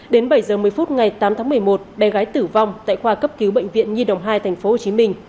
đến bảy giờ một mươi phút ngày tám tháng một mươi một bé gái tử vong tại khoa cấp cứu bệnh viện nhi đồng hai tp hcm